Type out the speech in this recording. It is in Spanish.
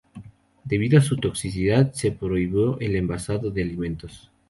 Debido a su toxicidad se prohibió el envasado de alimentos.